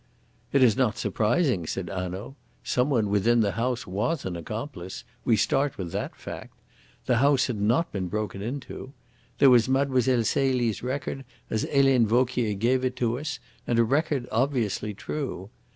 "It is not surprising," said Hanaud. "Some one within the house was an accomplice we start with that fact. The house had not been broken into. There was Mlle. Celie's record as Helene Vauquier gave it to us, and a record obviously true.